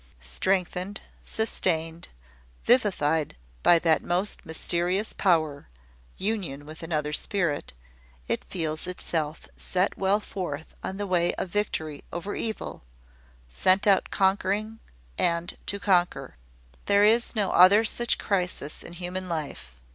Strengthened, sustained, vivified by that most mysterious power, union with another spirit, it feels itself set well forth on the way of victory over evil, sent out conquering and to conquer. There is no other such crisis in human life.